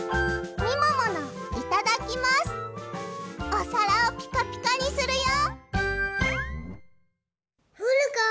おさらをピカピカにするよ！